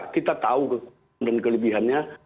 kita tahu dan kelebihannya